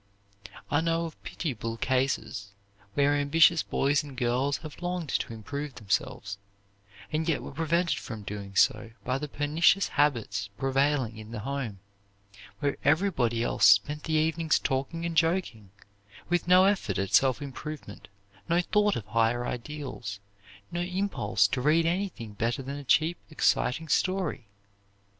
I know of pitiable cases where ambitious boys and girls have longed to improve themselves, and yet were prevented from doing so by the pernicious habits prevailing in the home, where everybody else spent the evenings talking and joking, with no effort at self improvement, no thought of higher ideals, no impulse to read anything better than a cheap, exciting story.